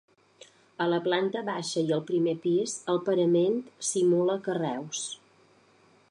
A la planta baixa i el primer pis el parament simula carreus.